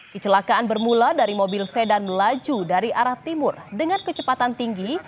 kecelakaan bermula dari mobil sedan melaju dari arah timur dengan kecepatan tinggi